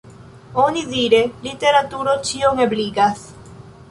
Onidire, literaturo ĉion ebligas.